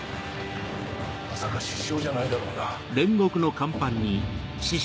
まさか志々雄じゃないだろうな。